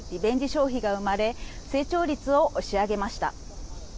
消費が生まれ成長率を押し上げました。